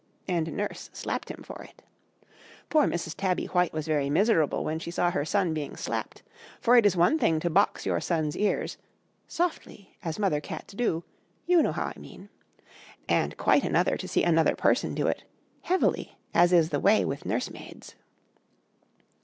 And Nurse slapped him for it. Poor Mrs. Tabby White was very miserable when she saw her son being slapped: for it is one thing to box your son's ears (softly, as mother cats do; you know how I mean), and quite another to see another person do it heavily, as is the way with nursemaids.